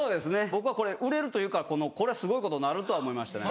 僕はこれ売れるというかこれはすごいことなるとは思いましたね。